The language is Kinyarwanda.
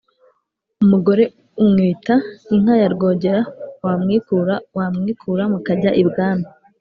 Umugore umwita inka ya Rwogera wamwikura wamwikura mukajya i bwami.